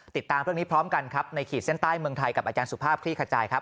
ติดตามเรื่องนี้พร้อมกันครับในขีดเส้นใต้เมืองไทยกับอาจารย์สุภาพคลี่ขจายครับ